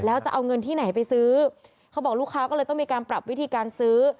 แล้วจะเอาเงินที่ไหนไปซื้อเขาบอกลูกค้าก็เลยต้องมีการปรับวิธีการซื้อ